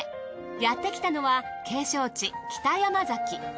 やってきたのは景勝地北山崎。